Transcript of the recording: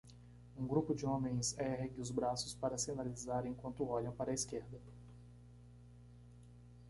Um grupo de homens ergue os braços para sinalizar enquanto olham para a esquerda.